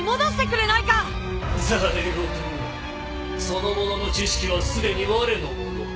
その者の知識はすでにわれのもの。